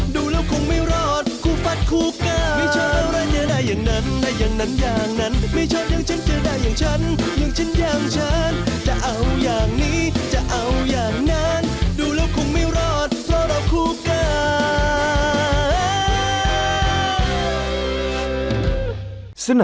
ดูแล้วคงไม่รอดเพราะเราคู่กัน